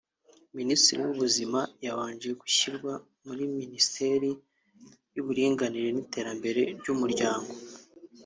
Minisitiri w’Ubuzima yabanje gushyirwa muri Minisiteri y’Uburinganire n’Iterambere ry’Umuryango